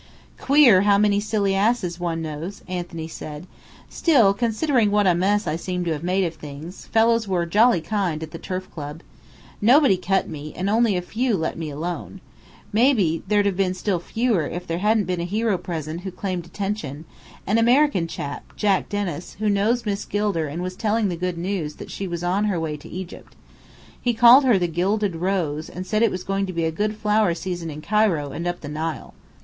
"Queer how many silly asses one knows!" Anthony said. "Still, considering what a mess I seem to have made of things, fellows were jolly kind, at the Turf Club. Nobody cut me, and only a few let me alone. Maybe there'd have been still fewer if there hadn't been a hero present who claimed attention: an American chap, Jack Dennis, who knows Miss Gilder and was telling the good news that she was on her way to Egypt. He called her the Gilded Rose and said it was going to be a good flower season in Cairo and up the Nile.